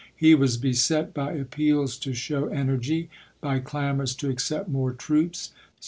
He was beset by appeals to show energy ; by clamors to accept more troops.